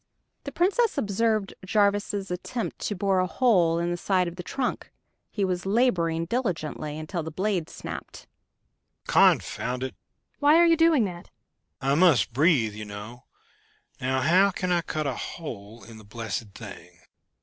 The Princess observed Jarvis' attempt to bore a hole in the side of the trunk. He was laboring diligently, until the blade snapped. "Confound it!" "Why are you doing that?" "I must breathe, you know ... Now, how can I cut a hole in the blessed thing?"